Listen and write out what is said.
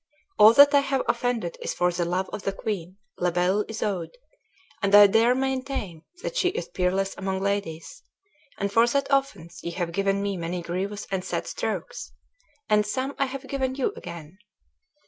All that I have offended is for the love of the queen, La Belle Isoude, and I dare maintain that she is peerless among ladies; and for that offence ye have given me many grievous and sad strokes, and some I have given you again.